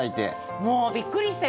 もうびっくりしたよ。